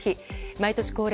毎年恒例